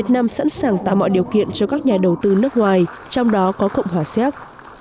năm sẵn sàng tạo mọi điều kiện cho các nhà đầu tư nước ngoài trong đó có cộng hòa xét